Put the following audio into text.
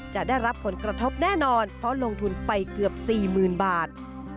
จะได้รับผลกระทบแน่นอนเพราะลงทุนไปเกือบ๔๐๐๐บาท